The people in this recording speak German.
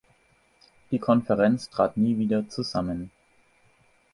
Die Konferenz trat nie wieder zusammen.